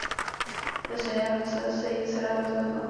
Ve stejném roce se její dcera rozvedla.